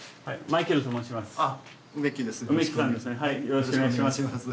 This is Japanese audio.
よろしくお願いします。